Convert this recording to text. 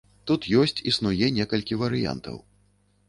Тут ёсць існуе некалькі варыянтаў.